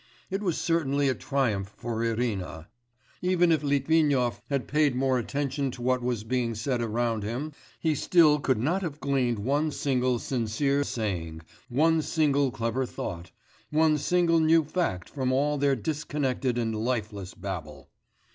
It was certainly a triumph for Irina: even if Litvinov had paid more attention to what was being said around him, he still could not have gleaned one single sincere saying, one single clever thought, one single new fact from all their disconnected and lifeless babble.